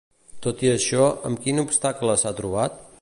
Tot i això, amb quin obstacle s'ha trobat?